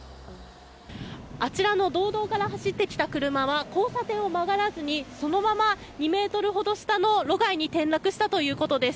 あちらの道道から走ってきた車は交差点を曲がらずにそのまま２ｍほど下の路外に転落したということです。